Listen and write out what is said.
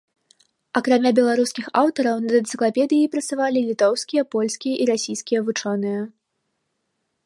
Акрамя беларускіх аўтараў, над энцыклапедыяй працавалі літоўскія, польскія і расійскія вучоныя.